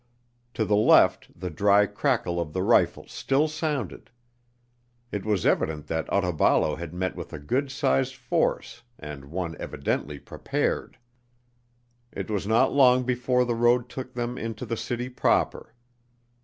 To the left the dry crackle of the rifles still sounded. It was evident that Otaballo had met with a good sized force and one evidently prepared. It was not long before the road took them into the city proper.